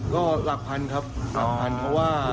ก็หลักพันครับหลักพันเพราะว่า